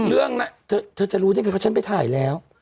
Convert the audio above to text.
เธอจะรู้นี่ก็ฉันไปถ่ายแล้ว